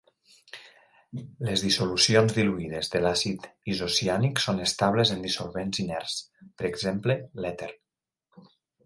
Les dissolucions diluïdes de l'àcid isociànic són estables en dissolvents inerts, per exemple èter.